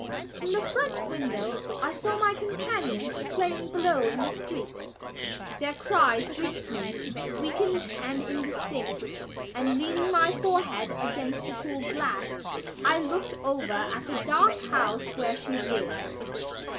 From the front window I saw my companions playing below in the street. Their cries reached me weakened and indistinct and, leaning my forehead against the cool glass, I looked over at the dark house where she lived.